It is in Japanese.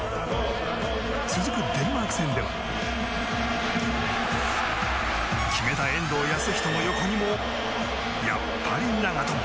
続くデンマーク戦では決めた遠藤保仁の横にもやっぱり長友。